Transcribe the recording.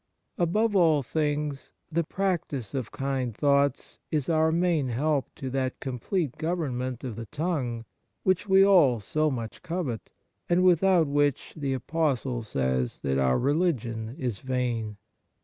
Above all things, the practice of kind thoughts is our main help to that complete government of the tongue which we all so much covet, and without which the Apostle says that our religion is vain.